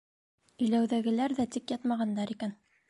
Иләүҙәгеләр ҙә тик ятмағандар икән.